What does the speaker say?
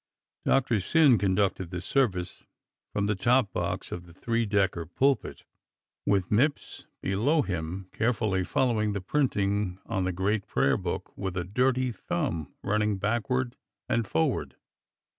Doctor Syn conducted the service from the top box of the three decker pulpit, with Mipps below him carefully following the printing on the great Prayer Book with a dirty thumb running backward and for ward.